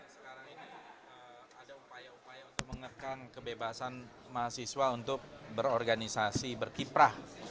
sekarang ini ada upaya upaya untuk mengekang kebebasan mahasiswa untuk berorganisasi berkiprah